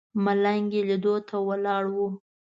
ملنګ یې لیدو ته ولاړ و.